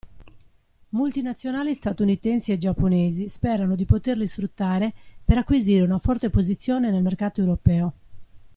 Multinazionali statunitensi e giapponesi sperano di poterli sfruttare per acquisire una forte posizione nel mercato europeo.